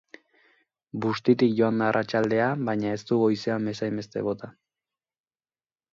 Bustitik joan da arratsaldea, baina ez du goizean bezainbeste bota.